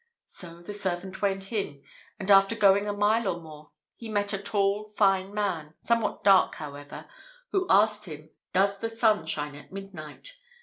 So the servant went in, and after going a mile or more, he met a tall, fine man somewhat dark, however who asked him, 'Does the sun shine at midnight?'